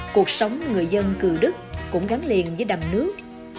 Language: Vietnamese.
cuộc sống người dân cừu đức cũng gắn liền với đầm nước